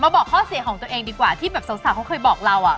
บอกข้อเสียของตัวเองดีกว่าที่แบบสาวเขาเคยบอกเรา